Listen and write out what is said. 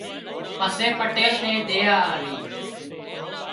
پسي پٽيل نين ۮيا آوي